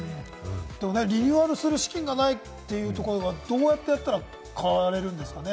リニューアルする資金がないというところ、どうやってやったら変われるんですかね？